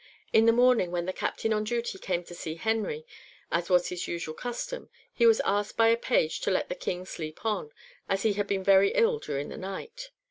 In the morning, when the captain on duty came to see Henry, as was his usual custom, he was asked by a page to let the King sleep on, as he had been very ill during the night.